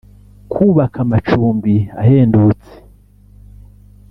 kubaka amacumbi ahendutse